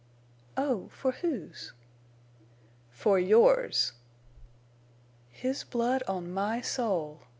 "Oh—for whose?" "For yours!" "His blood on my soul!"